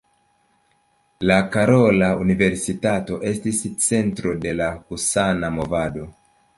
La Karola Universitato estis centro de la husana movado.